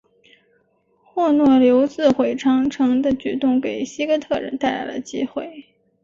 霍诺留自毁长城的举动给西哥特人带来了机会。